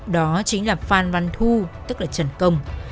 đó chính là phan văn thu tức là trần công